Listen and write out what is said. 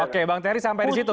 oke bang terry sampai di situ